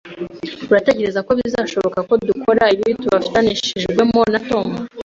Uratekereza ko bizashoboka ko dukora ibi tutabifashijwemo na Tom?